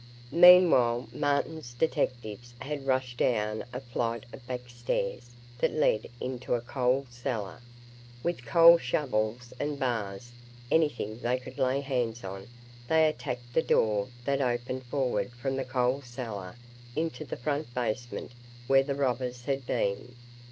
Meanwhile Martin's detectives had rushed down a flight of back stairs that led into a coal cellar. With coal shovels and bars, anything they could lay hands on, they attacked the door that opened forward from the coal cellar into the front basement where the robbers had been.